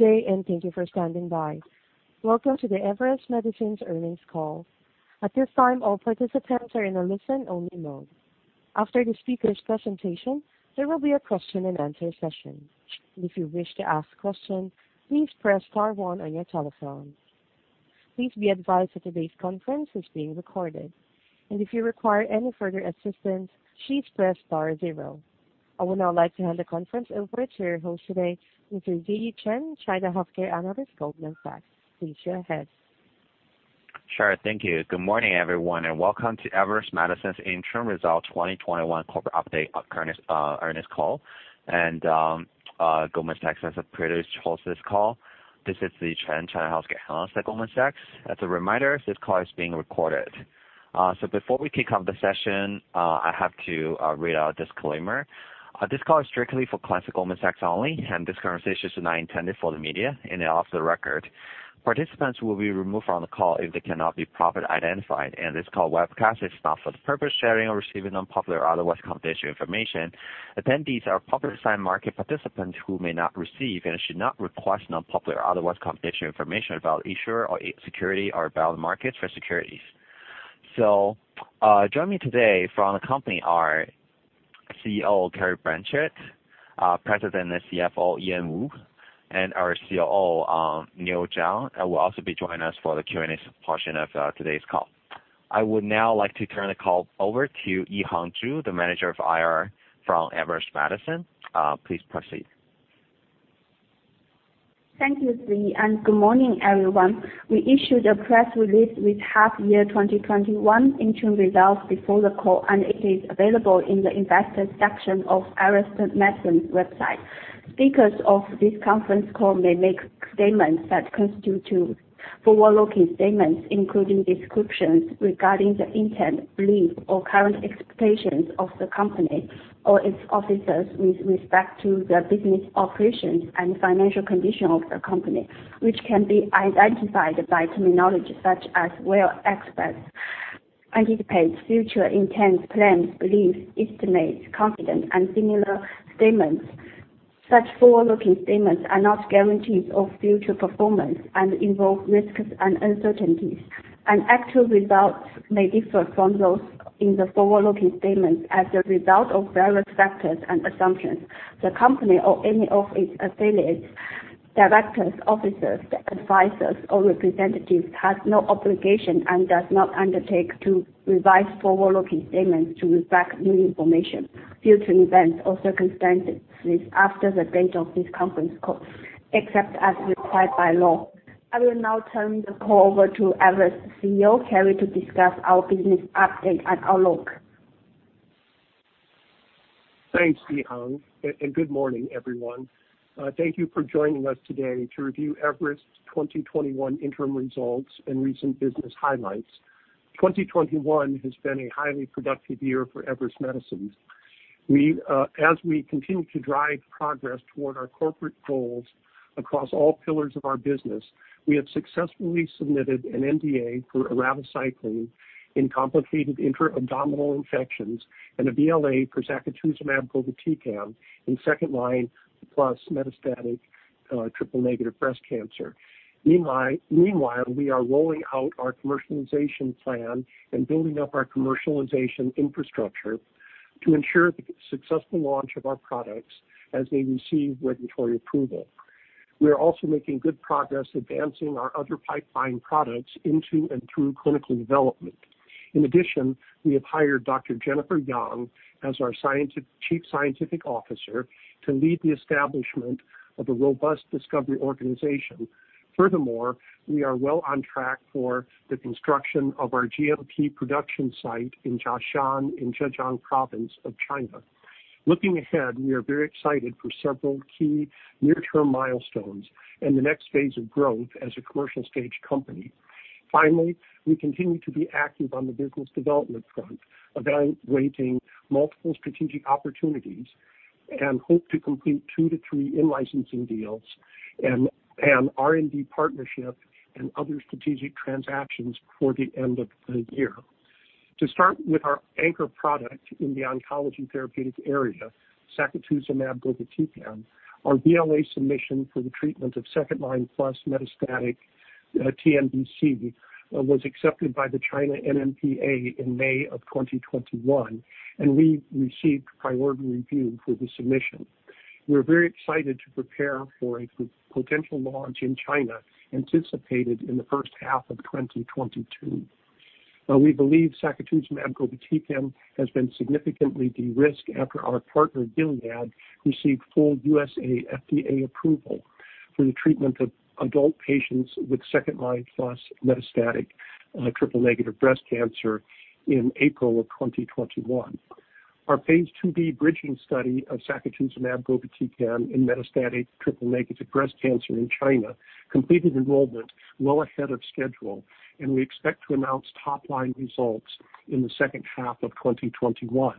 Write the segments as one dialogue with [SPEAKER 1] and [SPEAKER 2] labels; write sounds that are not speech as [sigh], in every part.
[SPEAKER 1] Good day. Thank you for standing by. Welcome to the Everest Medicines earnings call. At this time, all participants are in a listen-only mode. After the speaker's presentation, there will be a question-and-answer session. If you wish to ask a question, please press star one on your telephone. Please be advised that today's conference is being recorded, and if you require any further assistance, please press star zero. I would now like to hand the conference over to your host today, Mr. Ziyi Chen, China Healthcare Analyst, Goldman Sachs. Please go ahead.
[SPEAKER 2] Sure. Thank you. Good morning, everyone, welcome to Everest Medicines Interim Results 2021 Corporate Update Earnings Call. Goldman Sachs as a producer hosts this call. This is Ziyi Chen, China Healthcare Analyst at Goldman Sachs. As a reminder, this call is being recorded. Before we kick off the session, I have to read out a disclaimer. This call is strictly for clients of Goldman Sachs only, and this conversation is not intended for the media and is off the record. Participants will be removed from the call if they cannot be properly identified. This call webcast is not for the purpose of sharing or receiving non-public or otherwise confidential information. Attendees are publicly assigned market participants who may not receive and should not request non-public or otherwise confidential information about issuer or security or about markets for securities. Joining me today from the company are CEO Kerry Blanchard, President and CFO Ian Woo, and our COO Neo Zhang, will also be joining us for the Q&A portion of today's call. I would now like to turn the call over to Yihang Zhu, the Manager of Investor Relations from Everest Medicines. Please proceed.
[SPEAKER 3] Thank you, Ziyi, and good morning, everyone. We issued a press release with half Year 2021 interim results before the call, and it is available in the investors section of Everest Medicines website. Speakers of this conference call may make statements that constitute to forward-looking statements, including descriptions regarding the intent, beliefs, or current expectations of the company or its officers with respect to the business operations and financial condition of the company. Which can be identified by terminology such as will, expect, anticipates, future intent, plans, believes, estimates, confident, and similar statements. Such forward-looking statements are not guarantees of future performance and involve risks and uncertainties. Actual results may differ from those in the forward-looking statements as a result of various factors and assumptions. The company or any of its affiliates, directors, officers, advisors, or representatives has no obligation and does not undertake to revise forward-looking statements to reflect new information, future events, or circumstances after the date of this conference call, except as required by law. I will now turn the call over to Everest CEO, Kerry, to discuss our business update and outlook.
[SPEAKER 4] Thanks, Yihang. Good morning, everyone. Thank you for joining us today to review Everest's 2021 interim results and recent business highlights. 2021 has been a highly productive year for Everest Medicines. As we continue to drive progress toward our corporate goals across all pillars of our business, we have successfully submitted an NDA for eravacycline in complicated intra-abdominal infections and a BLA for sacituzumab govitecan in second line plus metastatic triple-negative breast cancer. Meanwhile, we are rolling out our commercialization plan and building up our commercialization infrastructure to ensure the successful launch of our products as they receive regulatory approval. We are also making good progress advancing our other pipeline products into and through clinical development. In addition, we have hired Dr. Jennifer Yang as our Chief Scientific Officer to lead the establishment of a robust discovery organization. Furthermore, we are well on track for the construction of our GMP production site in Jiaxing in Zhejiang Province of China. Looking ahead, we are very excited for several key near-term milestones and the next phase of growth as a commercial stage company. Finally, we continue to be active on the business development front, evaluating multiple strategic opportunities and hope to complete two to three in-licensing deals and R&D partnership and other strategic transactions before the end of the year. To start with our anchor product in the oncology therapeutic area, sacituzumab govitecan, our BLA submission for the treatment of second line plus metastatic TNBC was accepted by the China NMPA in May of 2021, and we received priority review for the submission. We're very excited to prepare for a potential launch in China anticipated in the first half of 2022. We believe sacituzumab govitecan has been significantly de-risked after our partner, Gilead, received full U.S.A. FDA approval for the treatment of adult patients with second-line plus metastatic triple-negative breast cancer in April of 2021. Our phase IIB bridging study of sacituzumab govitecan in metastatic triple-negative breast cancer in China completed enrollment well ahead of schedule. We expect to announce top-line results in the second half of 2021.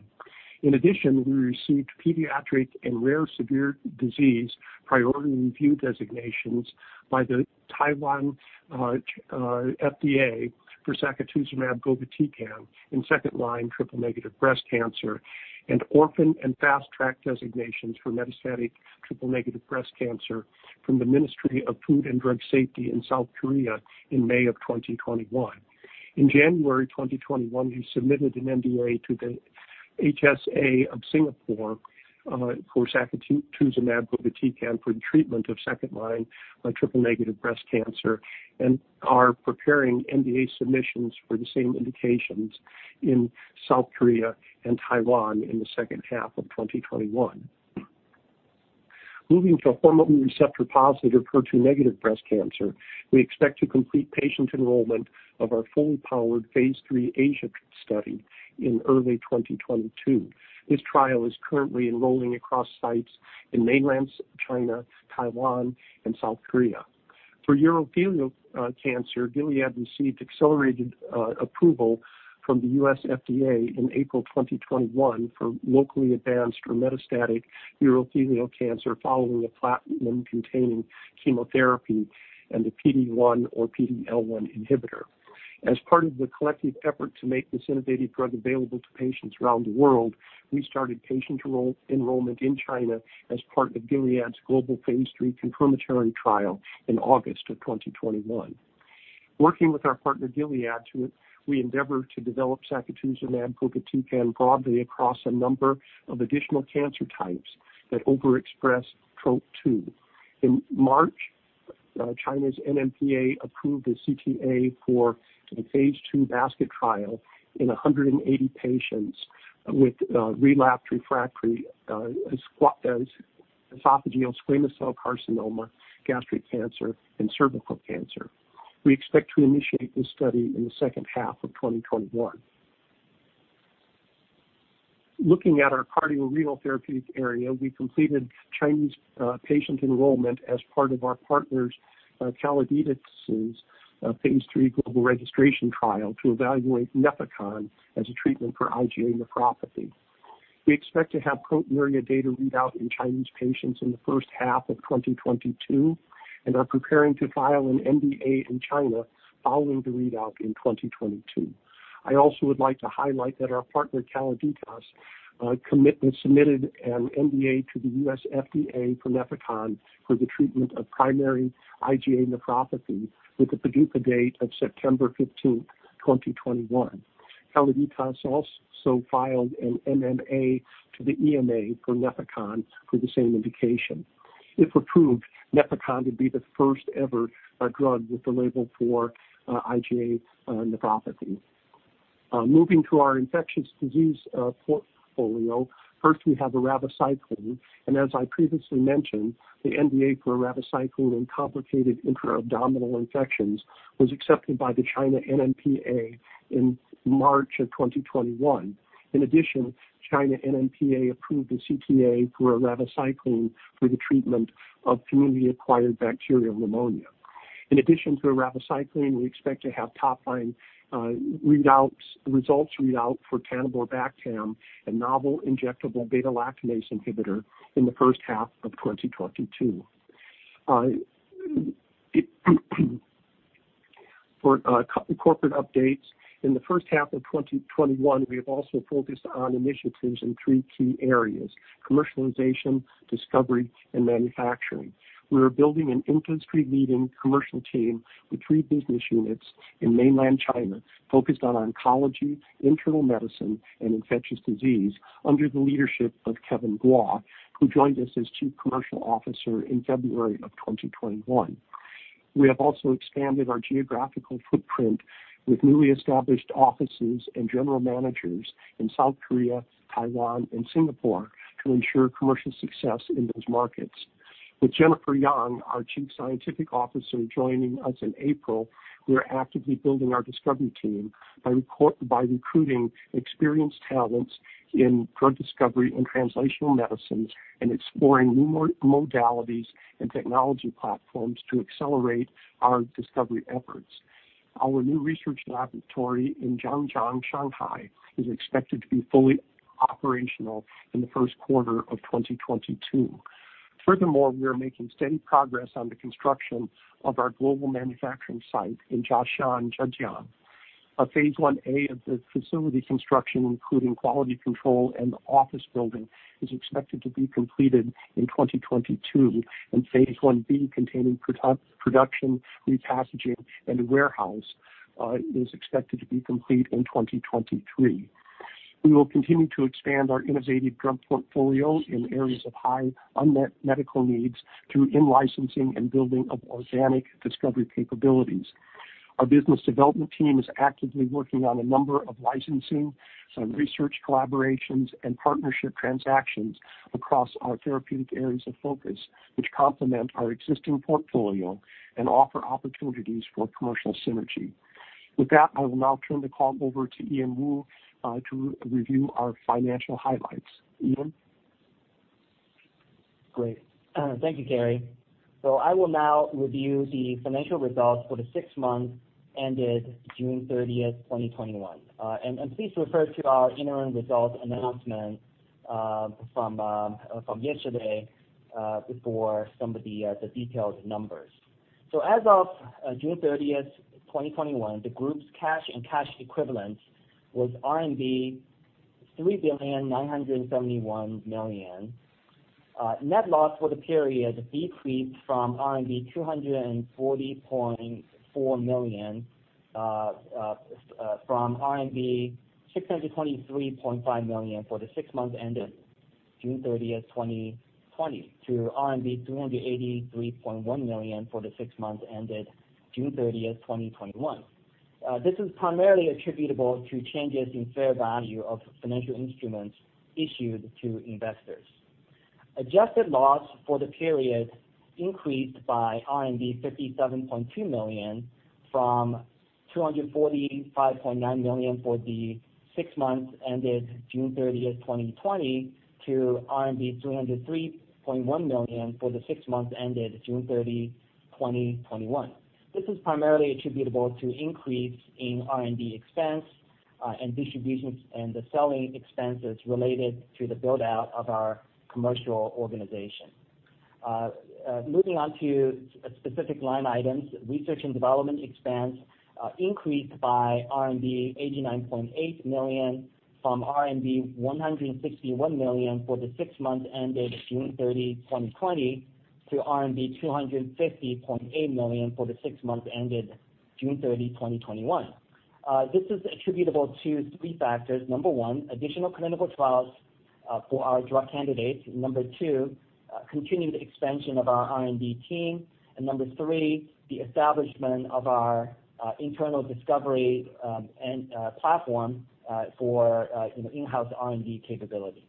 [SPEAKER 4] In addition, we received pediatric and rare severe disease priority review designations by the Taiwan FDA for sacituzumab govitecan in second-line triple-negative breast cancer and orphan and fast track designations for metastatic triple-negative breast cancer from the Ministry of Food and Drug Safety in South Korea in May 2021. In January 2021, we submitted an NDA to the HSA of Singapore for sacituzumab govitecan for the treatment of second-line triple-negative breast cancer, and are preparing NDA submissions for the same indications in South Korea and Taiwan in the second half of 2021. Moving to a hormone receptor-positive, HER2-negative breast cancer, we expect to complete patient enrollment of our full-powered phase III Asia study in early 2022. This trial is currently enrolling across sites in Mainland China, Taiwan, and South Korea. For urothelial cancer, Gilead received accelerated approval from the U.S. FDA in April 2021 for locally advanced or metastatic urothelial cancer following a platinum-containing chemotherapy and a PD-1 or PD-L1 inhibitor. As part of the collective effort to make this innovative drug available to patients around the world, we started patient enrollment in China as part of Gilead's global phase III confirmatory trial in August of 2021. Working with our partner, Gilead, we endeavor to develop sacituzumab govitecan broadly across a number of additional cancer types that overexpress Trop-2. In March, China's NMPA approved a CTA for a phase II basket trial in 180 patients with relapsed/refractory esophageal squamous cell carcinoma, gastric cancer, and cervical cancer. We expect to initiate this study in the second half of 2021. Looking at our cardio-renal therapeutic area, we completed Chinese patient enrollment as part of our partners, Calliditas' phase III global registration trial to evaluate NEFECON as a treatment for IgA nephropathy. We expect to have primary data readout in Chinese patients in the first half of 2022 and are preparing to file an NDA in China following the readout in 2022. I also would like to highlight that our partner, Calliditas, submitted an NDA to the U.S. FDA for NEFECON for the treatment of primary IgA nephropathy with a PDUFA date of September 15th, 2021. Calliditas also filed an MAA to the EMA for NEFECON for the same indication. If approved, NEFECON would be the first ever drug with a label for IgA nephropathy. Moving to our infectious disease portfolio. First, we have eravacycline. As I previously mentioned, the NDA for eravacycline in complicated intra-abdominal infections was accepted by the China NMPA in March of 2021. China NMPA approved the CTA for eravacycline for the treatment of community-acquired bacterial pneumonia. We expect to have top-line results readout for taniborbactam, a novel injectable beta-lactamase inhibitor, in the first half of 2022. For corporate updates, in the first half of 2021, we have also focused on initiatives in three key areas: commercialization, discovery, and manufacturing. We are building an industry-leading commercial team with 3 business units in Mainland China focused on oncology, internal medicine, and infectious disease under the leadership of Kevin Guo, who joined us as Chief Commercial Officer in February of 2021. We have also expanded our geographical footprint with newly established offices and general managers in South Korea, Taiwan, and Singapore to ensure commercial success in those markets. With Jennifer Yang, our Chief Scientific Officer, joining us in April, we're actively building our discovery team by recruiting experienced talents in drug discovery and translational medicines and exploring new modalities and technology platforms to accelerate our discovery efforts. Our new research laboratory in Zhangjiang, Shanghai, is expected to be fully operational in the first quarter of 2022. Furthermore, we are making steady progress on the construction of our global manufacturing site in Jiashan, Zhejiang. Phase I-A of the facility construction, including quality control and the office building, is expected to be completed in 2022, and phase I-B, containing production, repackaging, and warehouse, is expected to be complete in 2023. We will continue to expand our innovative drug portfolio in areas of high unmet medical needs through in-licensing and building of organic discovery capabilities. Our business development team is actively working on a number of licensing, some research collaborations, and partnership transactions across our therapeutic areas of focus, which complement our existing portfolio and offer opportunities for commercial synergy. With that, I will now turn the call over to Ian Woo to review our financial highlights. Ian?
[SPEAKER 5] Great. Thank you, Kerry. I will now review the financial results for the six months ended June 30th, 2021. Please refer to our interim results announcement from yesterday for some of the detailed numbers. As of June 30th, 2021, the group's cash and cash equivalents was RMB 3,971,000,000. Net loss for the period decreased from RMB 240.4 million from RMB 623.5 million for the six months ended June 30th, 2020, to RMB 283.1 million for the six months ended June 30th, 2021. This is primarily attributable to changes in fair value of financial instruments issued to investors. Adjusted loss for the period increased by RMB 57.2 million, from 245.9 million for the six months ended June 30th, 2020, to RMB 303.1 million for the six months ended June 30th, 2021. This is primarily attributable to increase in R&D expense and distributions and the selling expenses related to the build-out of our commercial organization. Moving on to specific line items. Research and development expense increased by RMB 89.8 million from RMB 161 million for the six months ended June 30th, 2020, to RMB 250.8 million for the six months ended June 30th, 2021. This is attributable to three factors. Number one, additional clinical trials for our drug candidates. Number two, continued expansion of our R&D team. Number three, the establishment of our internal discovery platform for in-house R&D capabilities.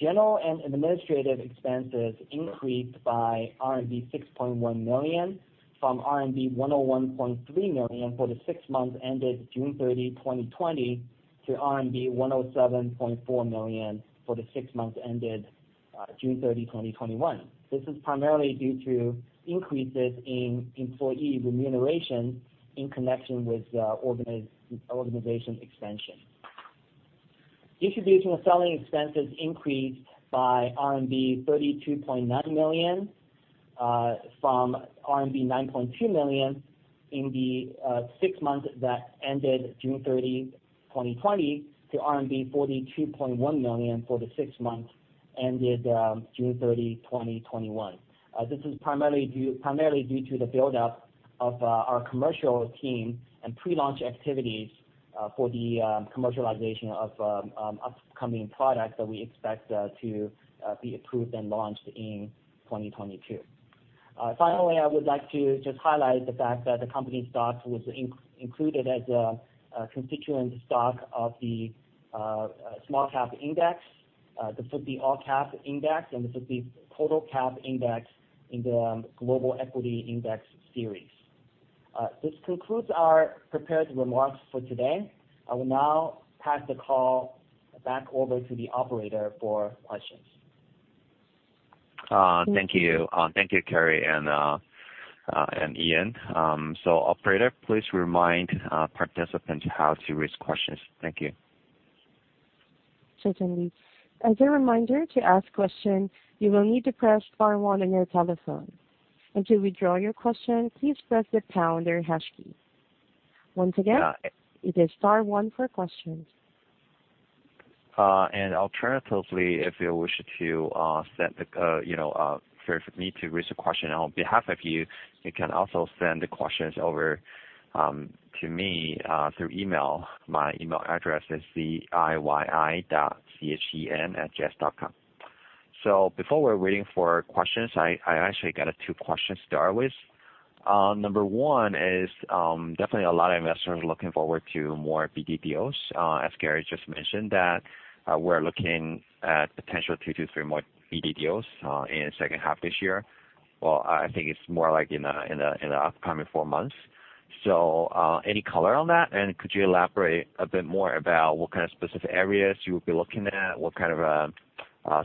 [SPEAKER 5] General and administrative expenses increased by RMB 6.1 million from RMB 101.3 million for the six months ended June 30th, 2020, to RMB 107.4 million for the six months ended June 30th, 2021. This is primarily due to increases in employee remuneration in connection with organization expansion. Distribution and selling expenses increased by RMB 32.9 million from RMB 9.2 million in the six months that ended June 30th, 2020, to RMB 42.1 million for the six months ended June 30th, 2021. This is primarily due to the build-up of our commercial team and pre-launch activities for the commercialization of upcoming products that we expect to be approved and launched in 2022. Finally, I would like to just highlight the fact that the company stock was included as a constituent stock of the small-cap index, the FTSE All-Cap Index, and the FTSE Total Cap Index in the Global Equity Index Series. This concludes our prepared remarks for today. I will now pass the call back over to the operator for questions.
[SPEAKER 2] Thank you. Thank you, Kerry and Ian. Operator, please remind participants how to raise questions. Thank you.
[SPEAKER 1] Certainly. As a reminder, to ask question, you will need to press star one on your telephone, and to withdraw your question, please press the pound or hash key. Once again, it is star one for questions.
[SPEAKER 2] Alternatively, if you wish for me to raise a question on behalf of you can also send the questions over to me through email. My email address is Ziyi.Chen@gs.com. Before we're waiting for questions, I actually got two questions to start with. Number one is definitely a lot of investors looking forward to more BD deals. As Kerry just mentioned that we're looking at potential two to three more BD deals in the second half of this year. Well, I think it's more like in the upcoming four months. Any color on that? Could you elaborate a bit more about what kind of specific areas you will be looking at? What kind of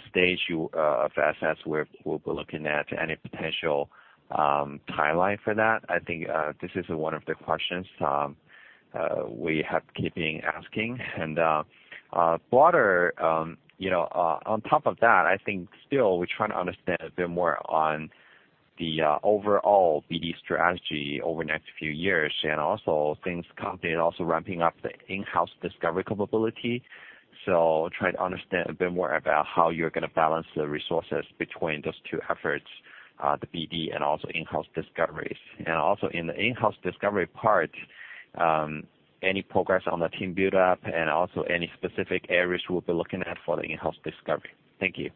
[SPEAKER 2] stage of assets we'll be looking at? Any potential timeline for that? I think this is one of the questions we have keeping asking. Broader, on top of that, I think still we're trying to understand a bit more on the overall BD strategy over the next few years, and also things company also ramping up the in-house discovery capability. Try to understand a bit more about how you're going to balance the resources between those two efforts, the BD and also in-house discoveries. Also in the in-house discovery part, any progress on the team build-up and also any specific areas we'll be looking at for the in-house discovery? Thank you.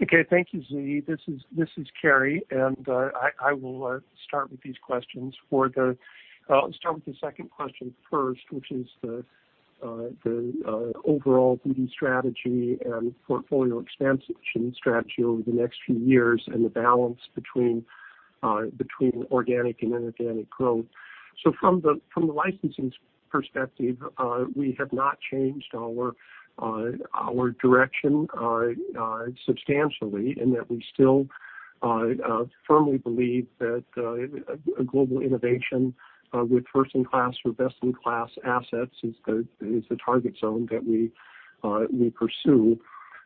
[SPEAKER 4] Okay. Thank you, Ziyi. This is Kerry. I will start with these questions. I will start with the second question first, which is the overall BD strategy and portfolio expansion strategy over the next few years and the balance between organic and inorganic growth. From the licensing perspective, we have not changed our direction substantially in that we still firmly believe that a global innovation with first-in-class or best-in-class assets is the target zone that we pursue.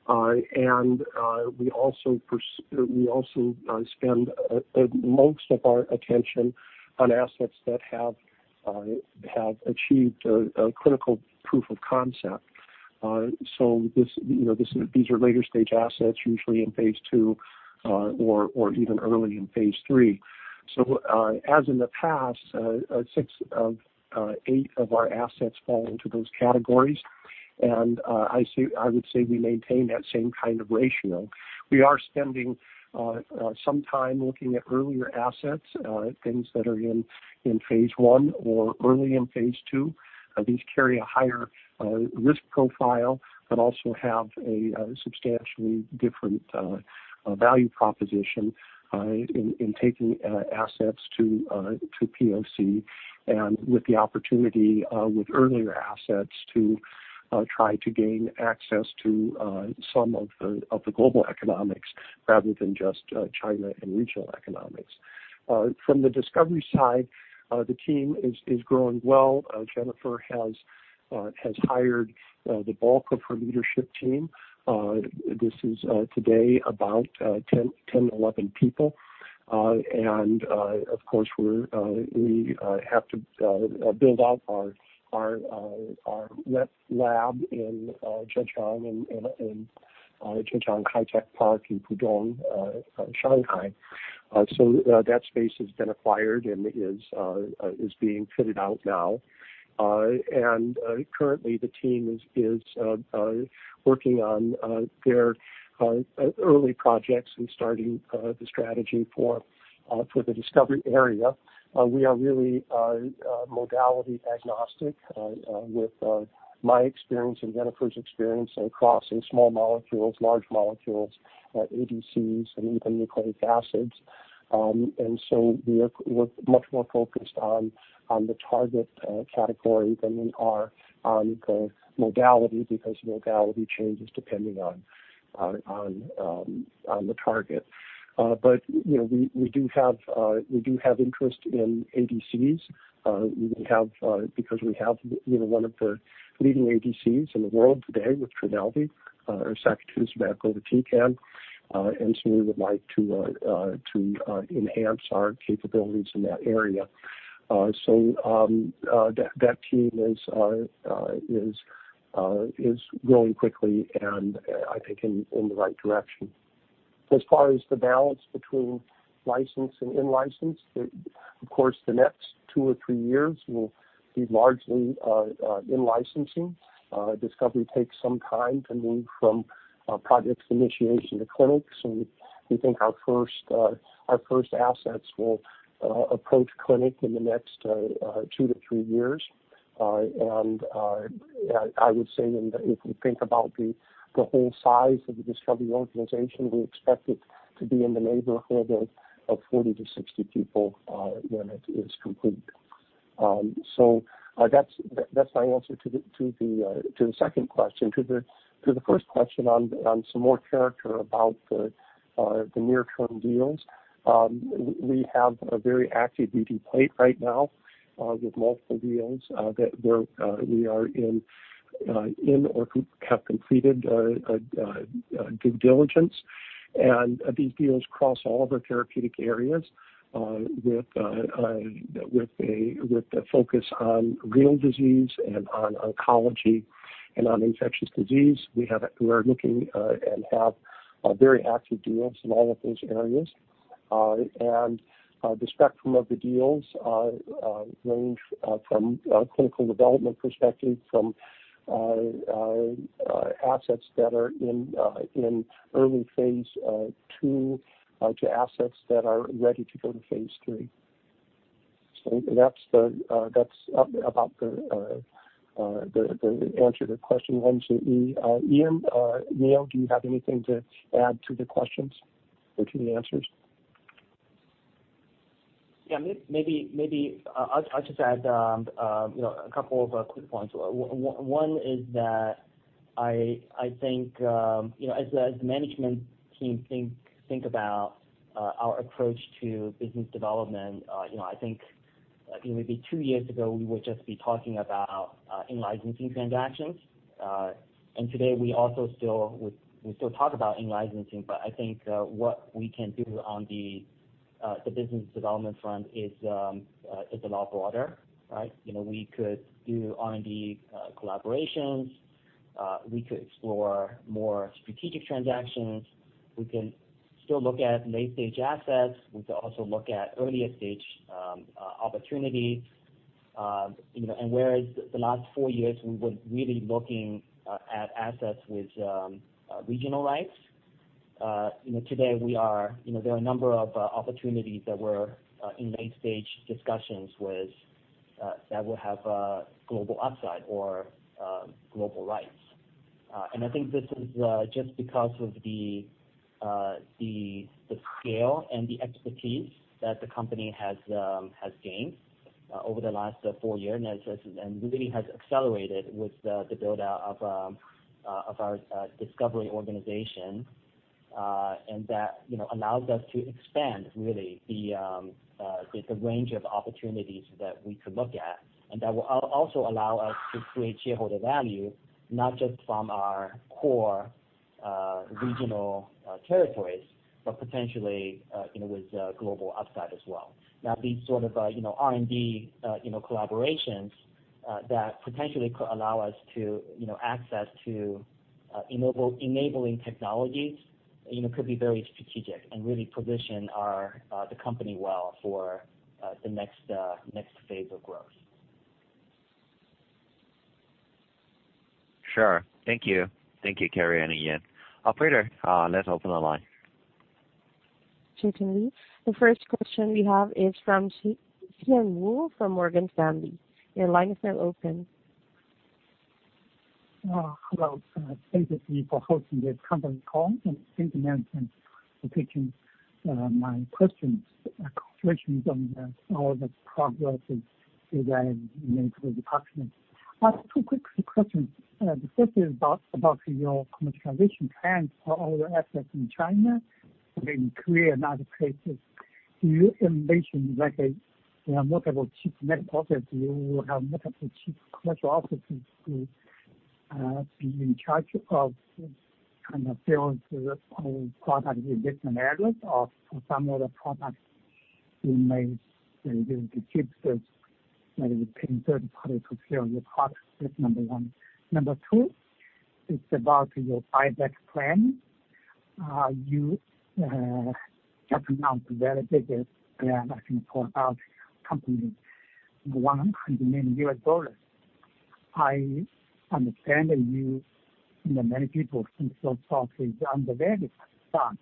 [SPEAKER 4] We also spend most of our attention on assets that have achieved a clinical proof of concept. These are later-stage assets, usually in phase II, or even early in phase III. As in the past, 6/8 of our assets fall into those categories. I would say we maintain that same kind of ratio. We are spending some time looking at earlier assets, things that are in phase I or early in phase II. These carry a higher risk profile, but also have a substantially different value proposition in taking assets to POC and with the opportunity with earlier assets to try to gain access to some of the global economics, rather than just China and regional economics. From the discovery side, the team is growing well. Jennifer Yang has hired the bulk of her leadership team. This is today about 10-11 people. Of course, we have to build out our wet lab in Zhangjiang Hi-Tech Park in Pudong, Shanghai. That space has been acquired and is being fitted out now. Currently the team is working on their early projects and starting the strategy for the discovery area. We are really modality agnostic with my experience and Jennifer's experience across small molecules, large molecules, ADCs, and even nucleic acids. We're much more focused on the target category than we are on the modality, because modality changes depending on the target. We do have interest in ADCs. We have one of the leading ADCs in the world today with TRODELVY, or sacituzumab govitecan, we would like to enhance our capabilities in that area. That team is growing quickly, and I think in the right direction. The balance between licensed and in-licensed, of course, the next two or three years will be largely in-licensing. Discovery takes some time to move from projects initiation to clinic. We think our first assets will approach clinic in the next two to three years. I would say if we think about the whole size of the discovery organization, we expect it to be in the neighborhood of 40-60 people when it is complete. That's my answer to the second question. To the first question on some more character about the near-term deals, we have a very active duty plate right now with multiple deals that we are in or have completed due diligence. These deals cross all the therapeutic areas with a focus on renal disease and on oncology and on infectious disease. We are looking and have very active deals in all of those areas. The spectrum of the deals range from a clinical development perspective, from assets that are in early phase II to assets that are ready to go to phase III. That's about the answer to question one to me. Ian, Neo, do you have anything to add to the questions or to the answers?
[SPEAKER 5] Yeah, maybe I'll just add a couple of quick points. One is that I think as the management team think about our approach to business development, I think maybe two years ago, we would just be talking about in-licensing transactions. Today, we still talk about in-licensing, I think what we can do on the business development front is a lot broader, right? We could do R&D collaborations. We could explore more strategic transactions. We can still look at late-stage assets. We could also look at earlier stage opportunities. Whereas the last four years, we were really looking at assets with regional rights, today there are a number of opportunities that we're in late-stage discussions with that will have a global upside or global rights. I think this is just because of the scale and the expertise that the company has gained over the last four years, and really has accelerated with the build-out of our discovery organization. That allows us to expand really the range of opportunities that we could look at. That will also allow us to create shareholder value, not just from our core regional territories, but potentially with global upside as well. Now, these sort of R&D collaborations that potentially could allow us to access to enabling technologies could be very strategic and really position the company well for the next phase of growth.
[SPEAKER 2] Sure. Thank you. Thank you, Kerry, and Ian. Operator, let's open the line.
[SPEAKER 1] Certainly. The first question we have is from Sean Wu from Morgan Stanley. Your line is now open.
[SPEAKER 6] Hello. Thank you for hosting this company call, and thanks in advance for taking my questions. Congratulations on all the progress and recently. I have two quick questions. The first is about your commercialization plans for all your assets in China and in Korea and other places. Do you envision like a multiple chief medical officer, you will have multiple chief commercial officers to be in charge of selling products in different areas or for some of the products, you may keep maybe paying third party to sell your product. That's number one. Number two, it's about your buyback plan. You just announced very big plan, I think, for our company, $100 million. I understand you and many people think stock is undervalued, but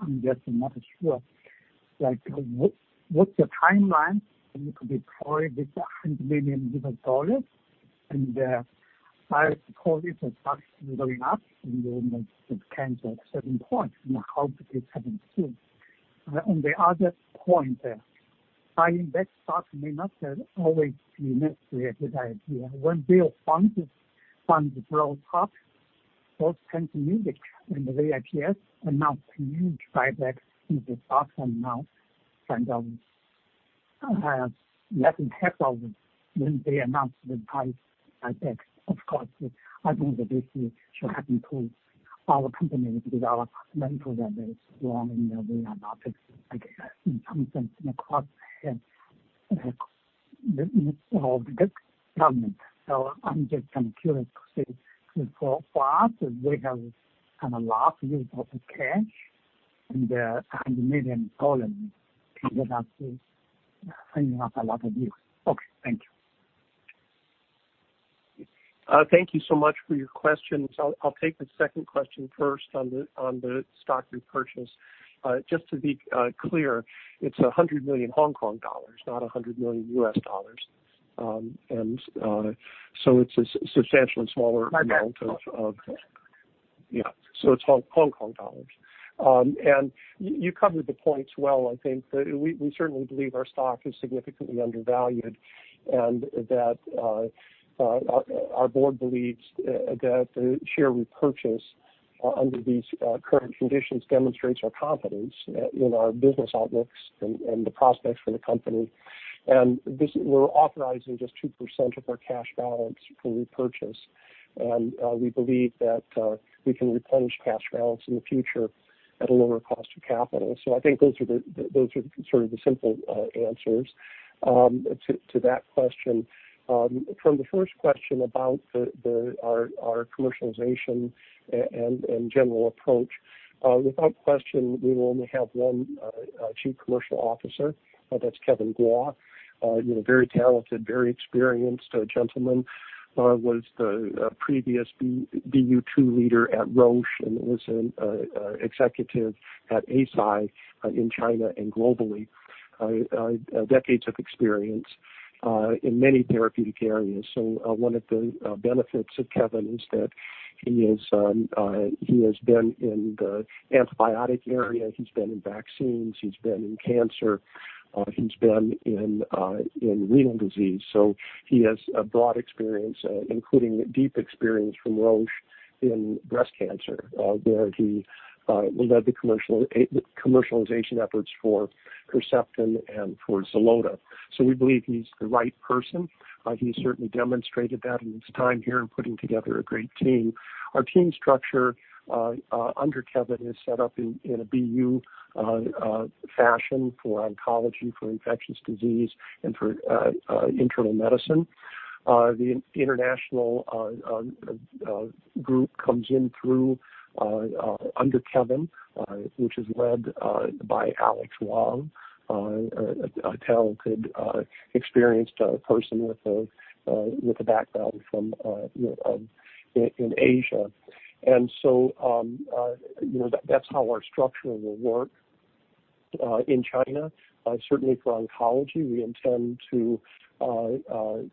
[SPEAKER 6] I'm just not sure. What's your timeline? You could deploy this HKD 100 million. I suppose if the stock is going up, you may cancel at certain point, and I hope it happens soon. On the other point, buyback stock may not always be best-rated idea. When Bill Hwang bought stock, Tencent Music and VIPS announced a huge buyback in the stock and now kind of less than half of when they announced the buyback. Of course, I think that this should happen to our company because our fundamental is strong, and we are not in some sense in a cost of this government. I'm just curious to see for us, we have a lot of usable cash and HKD 100 million can get us bringing up a lot of use. Okay. Thank you.
[SPEAKER 4] Thank you so much for your questions. I'll take the second question first on the stock repurchase. Just to be clear, it's 100 million Hong Kong dollars, not $100 million. It's a substantially smaller amount.
[SPEAKER 6] My bad. Sorry.
[SPEAKER 4] Yeah. It's Hong Kong dollars. You covered the points well, I think. We certainly believe our stock is significantly undervalued, and that our board believes that the share repurchase under these current conditions demonstrates our confidence in our business outlooks and the prospects for the company. We're authorizing just 2% of our cash balance for repurchase, and we believe that we can replenish cash balance in the future at a lower cost of capital. I think those are the sort of the simple answers to that question. From the first question about our commercialization and general approach. Without question, we will only have one Chief Commercial Officer, that's Kevin Guo. A very talented, very experienced gentleman, was the previous BU2 leader at Roche and was an executive at Eisai in China and globally. Decades of experience in many therapeutic areas. One of the benefits of Kevin is that he has been in the antibiotic area, he's been in vaccines, he's been in cancer, he's been in renal disease. He has a broad experience, including deep experience from Roche in breast cancer, where he led the commercialization efforts for Herceptin and for Xeloda. We believe he's the right person. He certainly demonstrated that in his time here in putting together a great team. Our team structure under Kevin is set up in a BU fashion for oncology, for infectious disease, and for internal medicine. The international group comes in through under Kevin which is led by Alex Wang, a talented experienced person with a background in Asia. That's how our structure will work in China. Certainly for oncology, we intend to build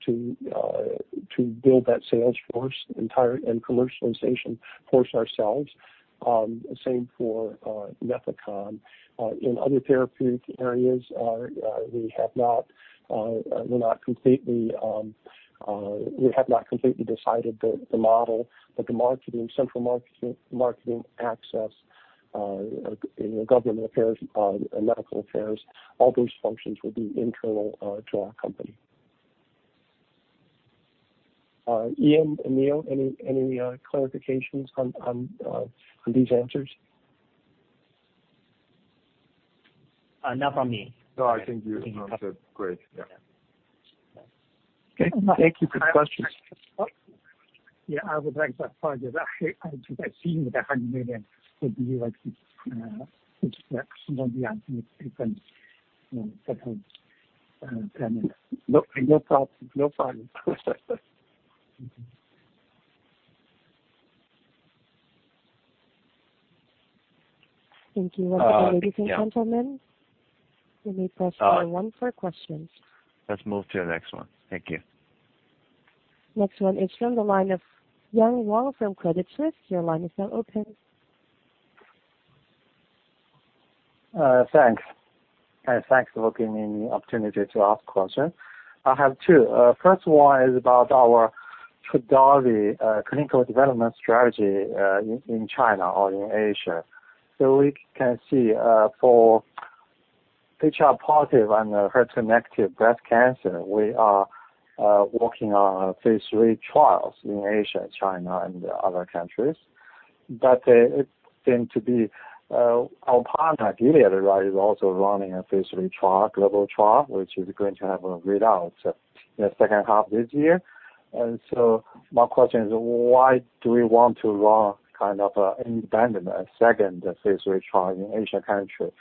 [SPEAKER 4] that sales force entire and commercialization force ourselves. Same for NEFECON. In other therapeutic areas, we have not completely decided the model, but the central marketing access, in government affairs and medical affairs, all those functions will be internal to our company. Ian and Neo, any clarifications on these answers?
[SPEAKER 7] Not from me.
[SPEAKER 5] No, I think you answered great. Yeah.
[SPEAKER 4] Okay. Thank you for the questions.
[SPEAKER 6] Yeah, I would like to apologize. I think I've seen you with $100 million with the U.S., which won't be happening if I settle down.
[SPEAKER 4] No problem.
[SPEAKER 1] Thank you. Once again, ladies and gentlemen, you may press star one for questions.
[SPEAKER 4] Let's move to the next one. Thank you.
[SPEAKER 1] Next one is from the line of Yang Wang from Credit Suisse. Your line is now open.
[SPEAKER 8] Thanks. Thanks for giving me the opportunity to ask questions. I have two. First one is about our TRODELVY clinical development strategy in China or in Asia. We can see for HER2-positive and HER2-connected breast cancer, we are working on phase III trials in Asia, China, and other countries. It seemed to be our partner, Gilead, is also running a phase III global trial, which is going to have a readout in the second half of this year. My question is, why do we want to run an independent second phase III trial in Asian countries?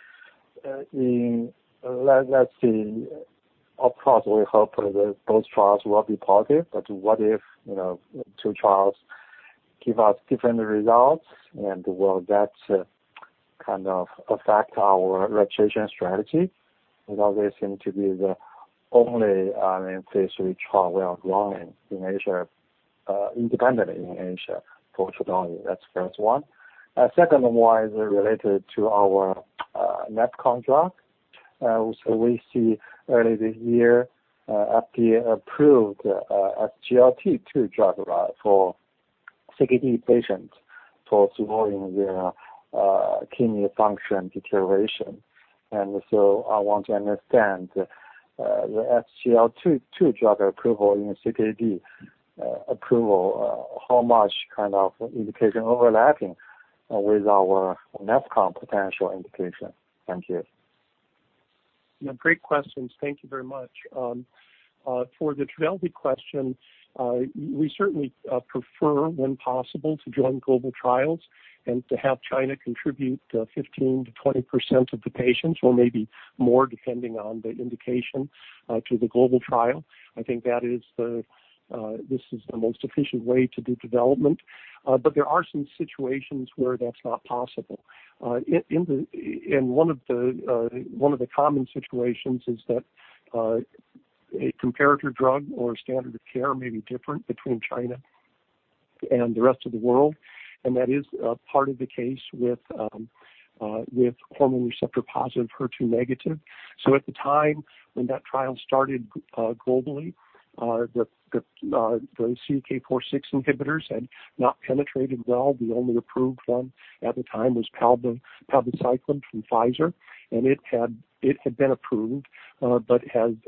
[SPEAKER 8] Of course, we hope that both trials will be positive, what if two trials give us different results, will that affect our rotation strategy? They seem to be the only phase III trial we are running independently in Asia for TRODELVY. That's the first one. Second one is related to our NEFECON drug. We see early this year, FDA approved SGLT2 drug for CKD patients for slowing their kidney function deterioration. I want to understand the SGLT2 drug approval in CKD approval, how much indication overlapping with our NEFECON potential indication. Thank you.
[SPEAKER 4] Yeah, great questions. Thank you very much. For the TRODELVY question, we certainly prefer, when possible, to join global trials and to have China contribute 15%-20% of the patients or maybe more, depending on the indication to the global trial. I think that this is the most efficient way to do development. There are some situations where that's not possible. One of the common situations is that a comparator drug or standard of care may be different between China and the rest of the world, and that is part of the case with hormone receptor-positive, HER2-negative. At the time when that trial started globally, the CDK4/6 inhibitors had not penetrated well. The only approved one at the time was palbociclib from Pfizer, and it had been approved but had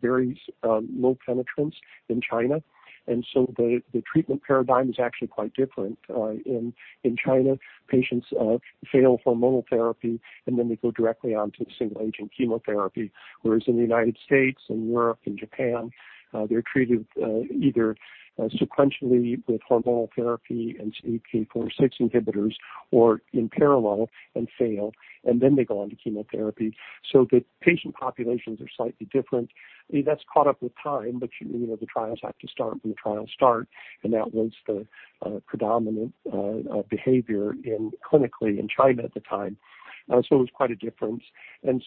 [SPEAKER 4] very low penetrance in China. The treatment paradigm is actually quite different. In China, patients fail hormonal therapy, and then they go directly onto single-agent chemotherapy. Whereas in the United States and Europe and Japan, they're treated either sequentially with hormonal therapy and CDK4/6 inhibitors or in parallel and fail, and then they go on to chemotherapy. The patient populations are slightly different. That's caught up with time, but the trials have to start when the trials start, and that was the predominant behavior clinically in China at the time. It was quite a difference.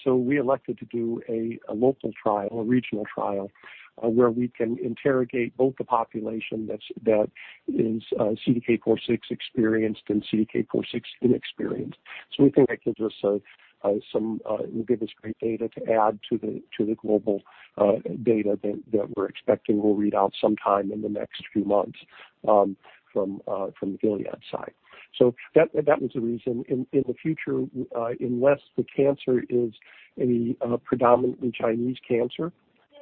[SPEAKER 4] We elected to do a local trial or regional trial, where we can interrogate both the population that is CDK4/6 experienced and CDK4/6 inexperienced. We think that will give us great data to add to the global data that we're expecting will read out sometime in the next few months from the Gilead side. That was the reason. In the future, unless the cancer is a predominantly Chinese cancer,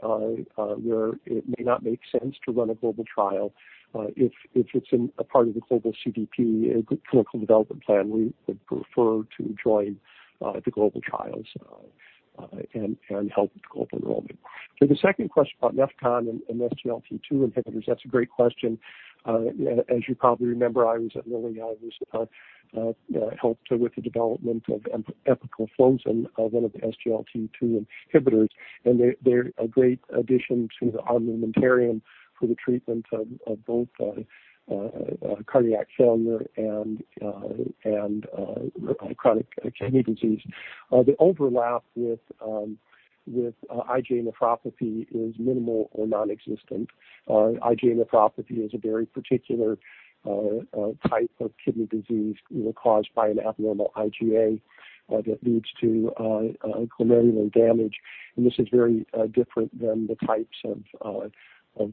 [SPEAKER 4] where it may not make sense to run a global trial. If it's a part of the global CDP, clinical development plan, we would prefer to join the global trials and help with global enrollment. The second question about NEFECON and SGLT2 inhibitors, that's a great question. As you probably remember, I helped with the development of empagliflozin, one of the SGLT2 inhibitors, and they're a great addition to the armamentarium for the treatment of both cardiac failure and chronic kidney disease. The overlap with IgA nephropathy is minimal or nonexistent. IgA nephropathy is a very particular type of kidney disease caused by an abnormal IgA that leads to glomerular damage. This is very different than the types of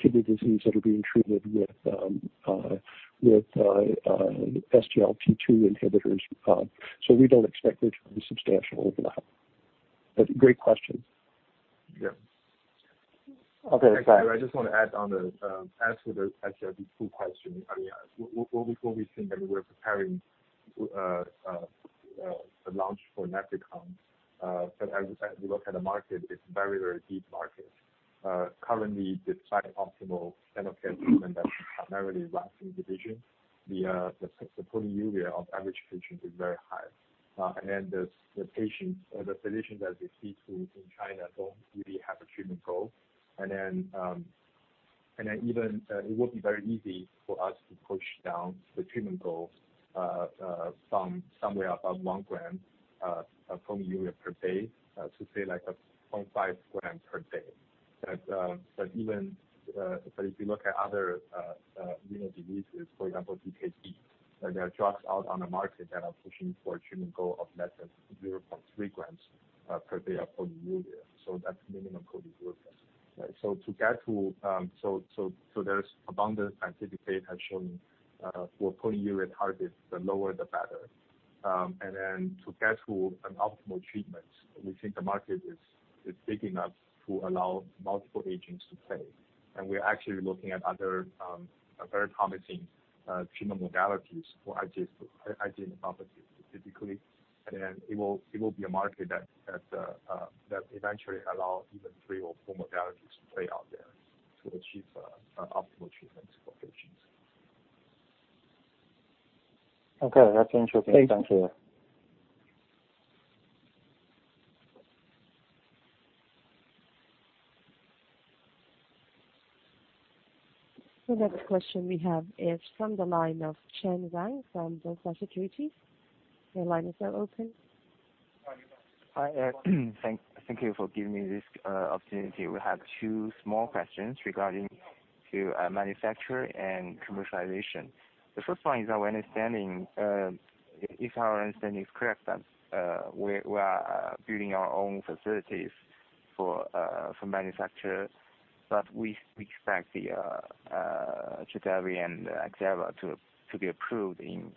[SPEAKER 4] kidney disease that are being treated with SGLT2 inhibitors. We don't expect there to be substantial overlap. Great question.
[SPEAKER 7] Yeah.
[SPEAKER 4] Okay, bye.
[SPEAKER 7] I just want to add on the answer to the SGLT2 question, I guess. What we think, and we're preparing a launch for NEFECON, but as we look at the market, it's a very, very deep market. Currently, the suboptimal standard of care treatment that primarily lacks in efficacy, the proteinuria of average patients is very high. Then the physicians as they see it in China, don't really have a treatment goal. Then it would be very easy for us to push down the treatment goals from somewhere above 1 g of proteinuria per day, to say, like 0.5 g/day. If you look at other renal diseases, for example, DKD, there are drugs out on the market that are pushing for a treatment goal of less than 0.3 g/day of proteinuria. That's minimal proteinuria. There's abundant scientific data showing for proteinuria targets, the lower the better. To get to an optimal treatment, we think the market is big enough to allow multiple agents to play. We're actually looking at other very promising treatment modalities for IgA nephropathy, specifically. It will be a market that eventually allow even three or four modalities to play out there to achieve optimal treatments for patients.
[SPEAKER 8] Okay, that's interesting. Thank you.
[SPEAKER 4] Thanks.
[SPEAKER 1] Another question we have is from the line of Chen Jiang from BofA Securities.
[SPEAKER 9] Hi, thank you for giving me this opportunity. We have two small questions regarding manufacture and commercialization. The first one is if our understanding is correct, that we are building our own facilities for manufacture, but we expect the TRODELVY and XERAVA to be approved in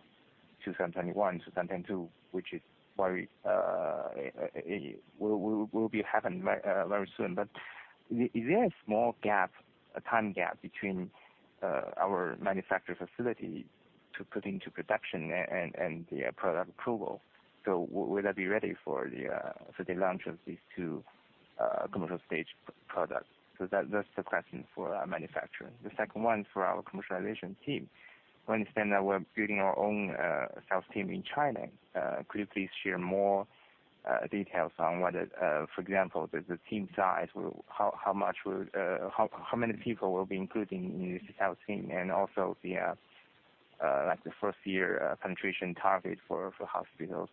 [SPEAKER 9] 2021, 2022, which will be happening very soon. Is there a small gap, a time gap, between our manufacture facility to put into production and the product approval? Will that be ready for the launch of these two commercial stage products? That's the question for our manufacturer. The second one for our commercialization team. We understand that we're building our own sales team in China. Could you please share more details on whether, for example, the team size, how many people will be included in the sales team, and also the first year penetration target for hospitals.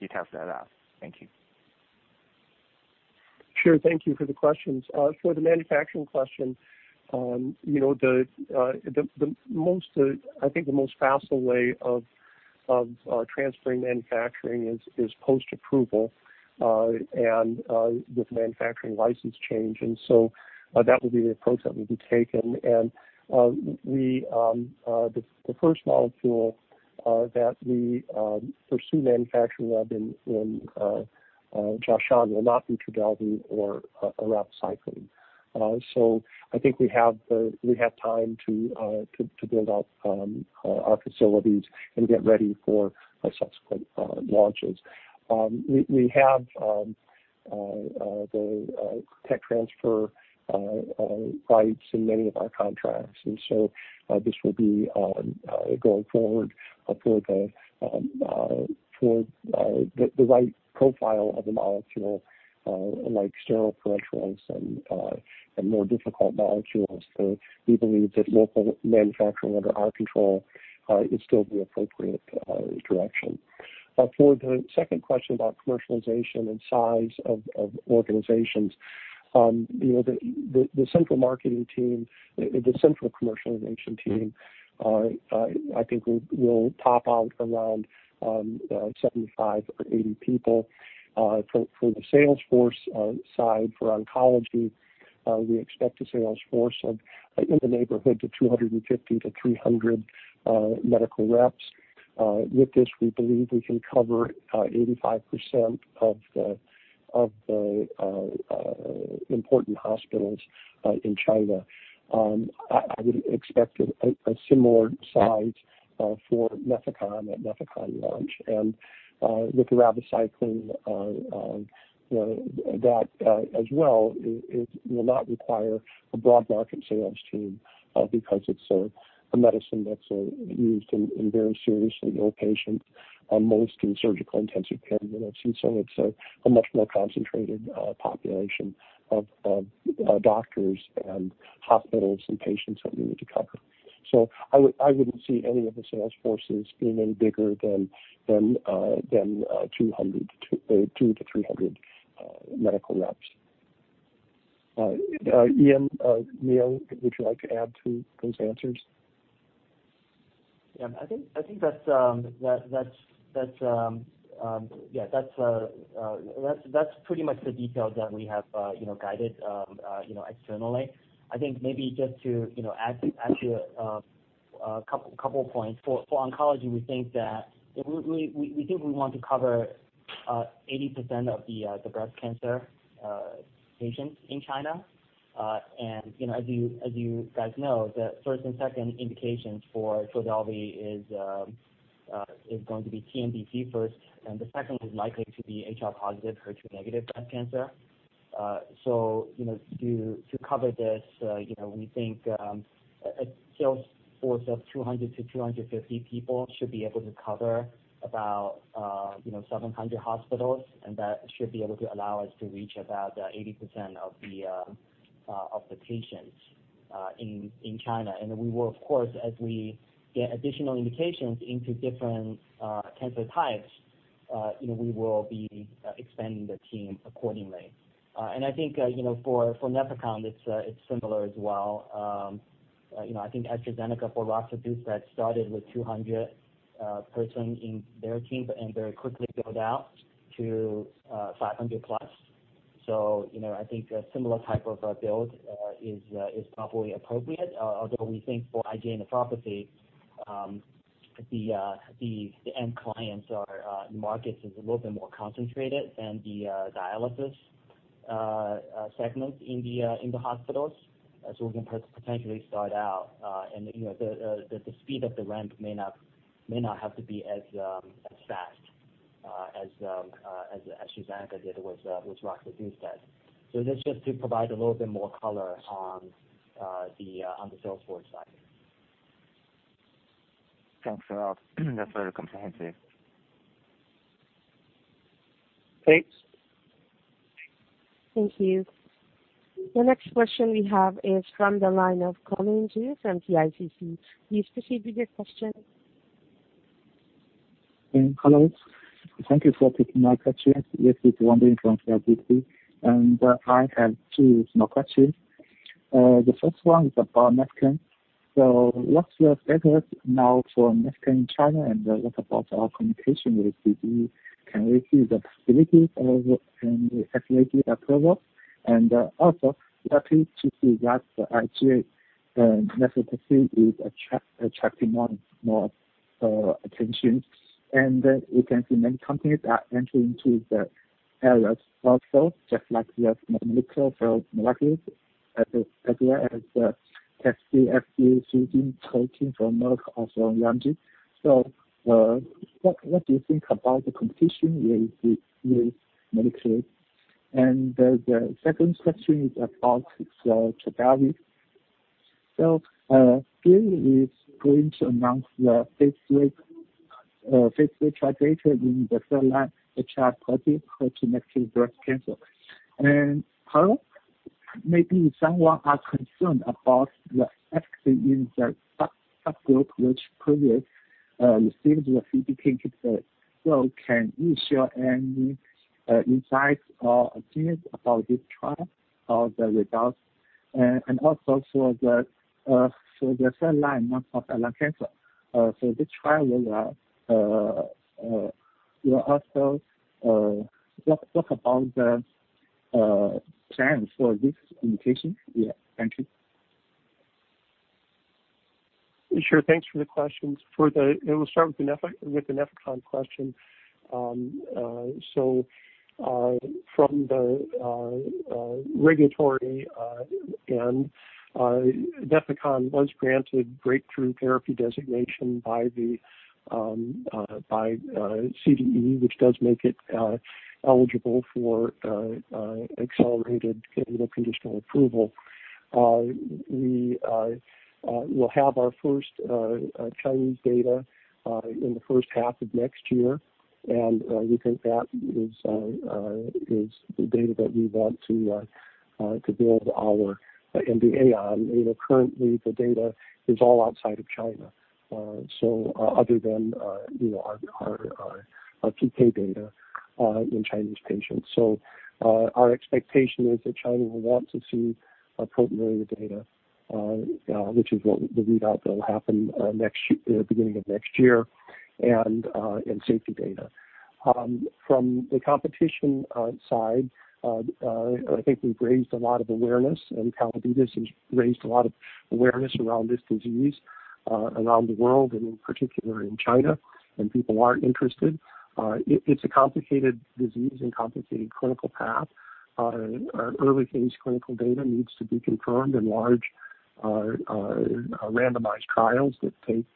[SPEAKER 9] Details like that. Thank you.
[SPEAKER 4] Sure. Thank you for the questions. For the manufacturing question, I think the most facile way of transferring manufacturing is post-approval, and with manufacturing license change. That would be the approach that would be taken. The first molecule that we pursue manufacturing of in Jiashan will not be TRODELVY or eravacycline. I think we have time to build out our facilities and get ready for subsequent launches. We have the tech transfer rights in many of our contracts, this will be going forward for the right profile of a molecule, like sterile pharmaceuticals and more difficult molecules. We believe that local manufacturing under our control is still the appropriate direction. For the second question about commercialization and size of organizations, the central commercialization team, I think will top out around 75 or 80 people. For the sales force side for oncology, we expect a sales force in the neighborhood of 250-300 medical reps. With this, we believe we can cover 85% of the important hospitals in China. I would expect a similar size for NEFECON at NEFECON launch. With eravacycline, that as well, it will not require a broad market sales team because it's a medicine that's used in very seriously ill patients, mostly in surgical intensive care units. It's a much more concentrated population of doctors and hospitals and patients that we need to cover. I wouldn't see any of the sales forces being any bigger than 200-300 medical reps. Ian, Neo, would you like to add to those answers?
[SPEAKER 5] I think that's pretty much the details that we have guided externally. I think maybe just to add a couple of points. For oncology, we think we want to cover 80% of the breast cancer patients in China. As you guys know, the first and second indications for TRODELVY is going to be TNBC first, and the second is likely to be HR-positive, HER2-negative breast cancer. To cover this, we think a sales force of 200-250 people should be able to cover about 700 hospitals, and that should be able to allow us to reach about 80% of the patients in China. We will, of course, as we get additional indications into different cancer types, we will be expanding the team accordingly. I think for NEFECON, it's similar as well. I think AstraZeneca for roxadustat started with 200 persons in their team and very quickly built out to 500+. I think a similar type of build is probably appropriate. Although we think for IgA nephropathy, the end clients or markets is a little bit more concentrated than the dialysis segment in the hospitals. We can potentially start out and the speed of the ramp may not have to be as fast as AstraZeneca did with roxadustat. That's just to provide a little bit more color on the sales force side.
[SPEAKER 9] Thanks a lot. That's very comprehensive.
[SPEAKER 4] Thanks.
[SPEAKER 1] Thank you. The next question we have is from the line of Colin Ju from CICC. Please proceed with your question.
[SPEAKER 10] Hello. Thank you for taking my questions. Yes, it's Colin Ju from CICC. I have two small questions. The first one is about NEFECON. What's your status now for NEFECON in China? What about our communication with CDE? Can we see the facilities and the FDA approval? Happy to see that the IgA nephropathy is attracting more attention. We can see many companies are entering into the areas also, just like we have molecular. [inaudible]
[SPEAKER 4] Thanks for the questions. We'll start with the NEFECON question. From the regulatory end, NEFECON was granted breakthrough therapy designation by CDE, which does make it eligible for accelerated conditional approval. We will have our first Chinese data in the first half of next year, and we think that is the data that we want to build our NDA on. Currently, the data is all outside of China. Other than our PK data in Chinese patients. Our expectation is that China will want to see a preliminary data, which is what the readout that will happen beginning of next year, and safety data. From the competition side, I think we've raised a lot of awareness, and Calliditas has raised a lot of awareness around this disease around the world, and in particular in China, and people are interested. It's a complicated disease and complicated clinical path. Our early-phase clinical data needs to be confirmed in large randomized trials that take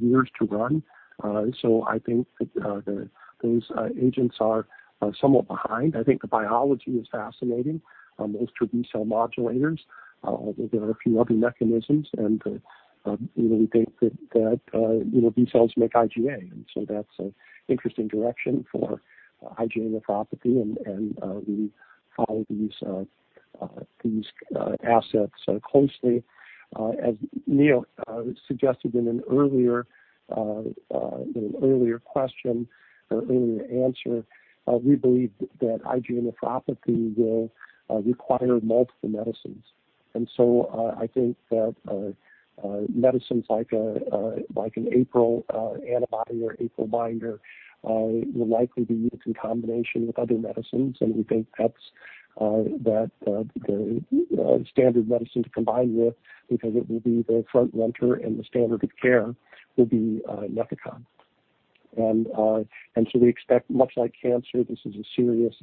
[SPEAKER 4] years to run. I think that those agents are somewhat behind. I think the biology is fascinating, those T-cell modulators, although there are a few other mechanisms, and we think that B cells make IgA. That's an interesting direction for IgA nephropathy, and we follow these assets closely. As Neo suggested in an earlier question or earlier answer, we believe that IgA nephropathy will require multiple medicines. I think that medicines like an APRIL antibody or APRIL binder will likely be used in combination with other medicines, and we think that the standard medicine to combine with, because it will be the front-runner and the standard of care, will be NEFECON. We expect much like cancer, this is a serious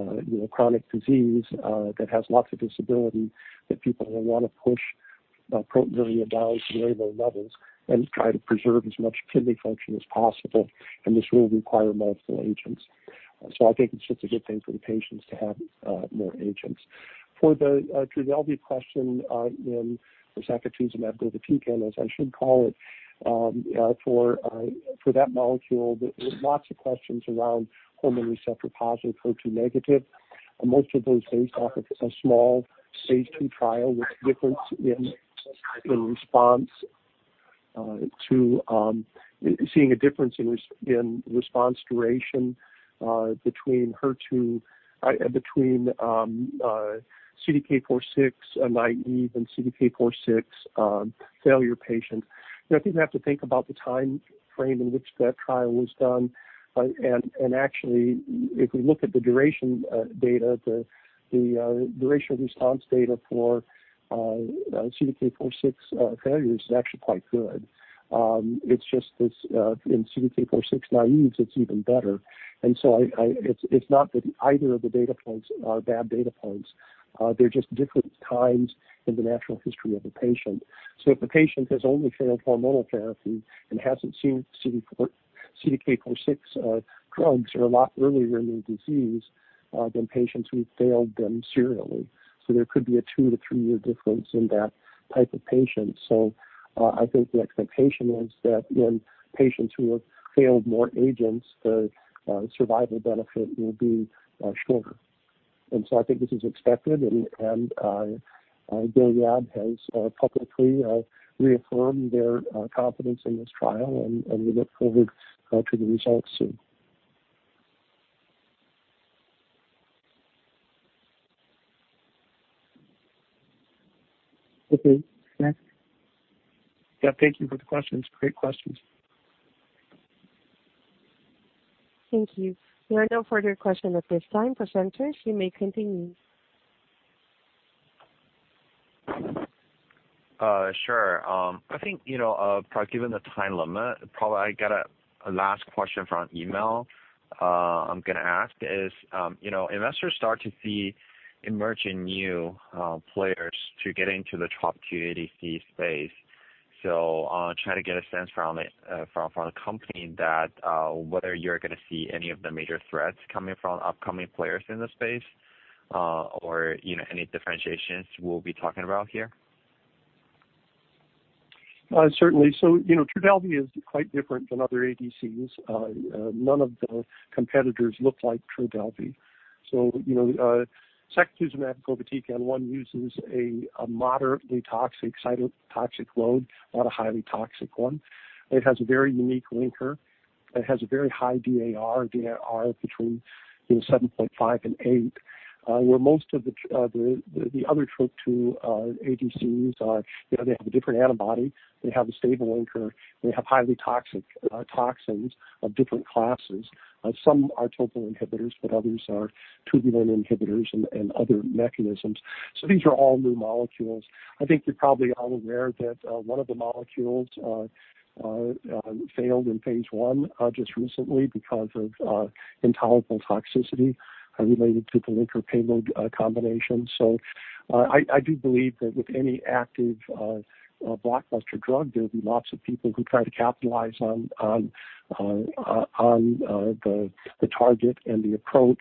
[SPEAKER 4] life-threatening chronic disease that has lots of disability that people will want to push protein very down to very low levels and try to preserve as much kidney function as possible, and this will require multiple agents. I think it's just a good thing for the patients to have more agents. For the TRODELVY question, in sacituzumab govitecan, as I should call it, for that molecule, there's lots of questions around hormone receptor-positive, HER2-negative. Most of those based off of a small phase II trial with difference in response to seeing a difference in response duration between CDK4/6 naive and CDK4/6 failure patients. I think we have to think about the time frame in which that trial was done. Actually, if we look at the duration response data for CDK4/6 failures, it's actually quite good. It's just this, in CDK4/6 naive, it's even better. It's not that either of the data points are bad data points. They're just different times in the natural history of a patient. If a patient has only failed hormonal therapy and hasn't seen CDK4/6 drugs or a lot earlier in their disease than patients who've failed them serially. There could be a two to three-year difference in that type of patient. I think the expectation is that in patients who have failed more agents, the survival benefit will be shorter. I think this is expected, and Daiichi Sankyo has publicly reaffirmed their confidence in this trial, and we look forward to the results soon.
[SPEAKER 2] Okay, next.
[SPEAKER 4] Yeah, thank you for the questions. Great questions.
[SPEAKER 1] Thank you. There are no further questions at this time. Presenters, you may continue.
[SPEAKER 2] Sure. I think, probably given the time limit, probably I get a last question from email I'm going to ask is, investors start to see emerging new players to get into the Trop-2 ADC space. Try to get a sense from the company that whether you're going to see any of the major threats coming from upcoming players in the space or any differentiations we'll be talking about here.
[SPEAKER 4] Certainly. Trodelvy is quite different than other ADCs. None of the competitors look like Trodelvy. Sacituzumab govitecan, one uses a moderately toxic cytotoxic load, not a highly toxic one. It has a very unique linker. It has a very high DAR between 7.5 and 8, where most of the other Trop-2 ADCs are, they have a different antibody. They have a stable linker. They have highly toxic toxins of different classes. Some are topo inhibitors, but others are tubulin inhibitors and other mechanisms. These are all new molecules. I think you're probably all aware that one of the molecules failed in phase I just recently because of intolerable toxicity related to the linker payload combination. I do believe that with any active blockbuster drug, there'll be lots of people who try to capitalize on the target and the approach.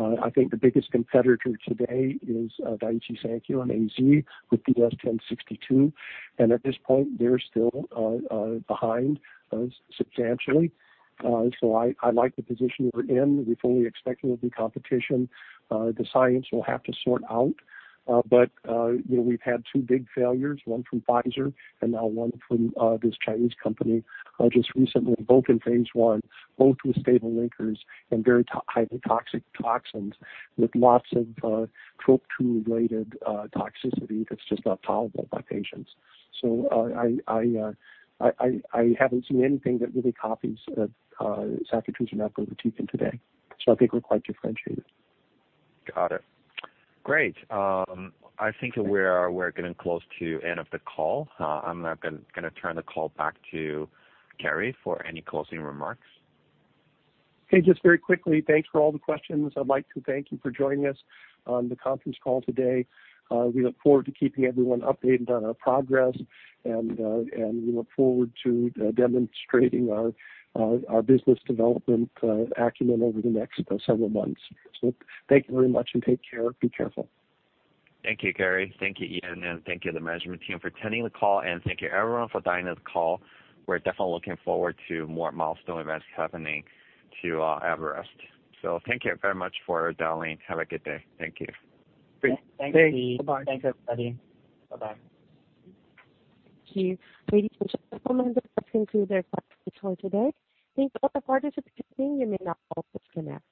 [SPEAKER 4] I think the biggest competitor today is Daiichi Sankyo and AstraZeneca with DS-1062. At this point, they're still behind substantially. I like the position we're in. We fully expect there will be competition. The science will have to sort out. We've had two big failures, one from Pfizer and now one from this Chinese company just recently, both in phase I, both with stable linkers and very highly toxic toxins with lots of Trop-two-related toxicity that's just not tolerable by patients. I haven't seen anything that really copies sacituzumab govitecan today. I think we're quite differentiated.
[SPEAKER 2] Got it. Great. I think we're getting close to the end of the call. I'm now going to turn the call back to Kerry for any closing remarks.
[SPEAKER 4] Okay, just very quickly, thanks for all the questions. I'd like to thank you for joining us on the conference call today. We look forward to keeping everyone updated on our progress, and we look forward to demonstrating our business development acumen over the next several months. Thank you very much and take care. Be careful.
[SPEAKER 2] Thank you, Kerry. Thank you, Ian, and thank you the management team for attending the call, and thank you everyone for dialing this call. We're definitely looking forward to more milestone events happening to Everest. Thank you very much for dialing. Have a good day. Thank you.
[SPEAKER 4] Great. Thanks.
[SPEAKER 5] Thanks.
[SPEAKER 4] Bye-bye.
[SPEAKER 5] Thanks, everybody. Bye-bye.
[SPEAKER 1] Thank you. Ladies and gentlemen, that concludes our conference call today. Thank you all for participating. You may now disconnect.